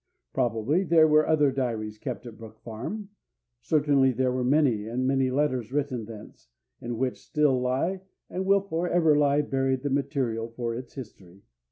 Probably there were other diaries kept at Brook Farm; certainly there were many and many letters written thence, in which still lie, and will forever lie, buried the material for its history.